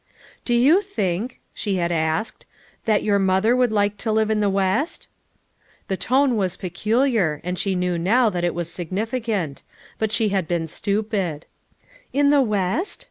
"Do you think," she had asked, "that your mother would like to live in the West?" The tone was peculiar and she knew now that it was significant; but she had been stupid, "In the West?"